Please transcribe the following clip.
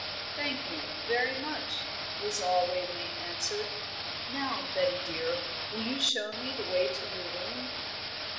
"Thank you, very much," was all Waveney answered. "Now, Betty dear, will you show me the way to your room?"